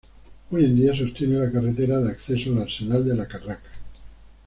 Hoy en día sostiene la carretera de acceso al arsenal de la Carraca.